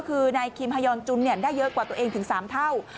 คือนายคิมฮายอนจุนได้เยอะกว่าตัวเองถึง๓เท่า